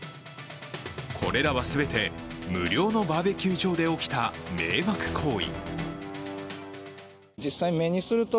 これらは全て、無料のバーベキュー場で起きた迷惑行為。